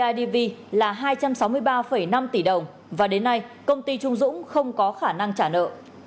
tổng số tiền các bị can đã chiếm đoạt của bidv là hai trăm sáu mươi ba năm tỷ đồng và đến nay công ty trung dũng không có khả năng trả nợ